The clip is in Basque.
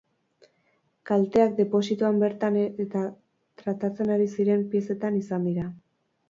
Kalteak deposituan bertan eta tratatzen ari ziren piezetan izan dira.